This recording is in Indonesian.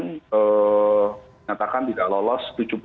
menyatakan tidak lolos